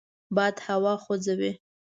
باد هوا خوځوي